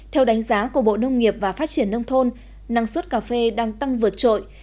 theo đánh giá của bộ nông nghiệp và phát triển nông thôn năng suất cà phê đang tăng vượt trội